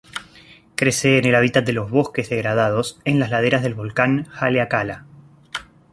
Crece en el hábitat de los bosques degradados en las laderas del volcán Haleakala.